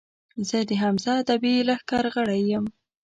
زۀ د حمزه ادبي لښکر غړے یم